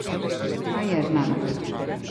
¡Aí es nada!